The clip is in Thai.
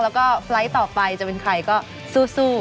แล้วก็ไฟล์ต่อไปจะเป็นใครก็สู้